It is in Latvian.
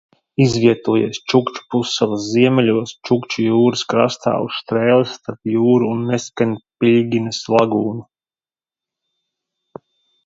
Izvietojies Čukču pussalas ziemeļos Čukču jūras krastā uz strēles starp jūru un Neskenpiļginas lagūnu.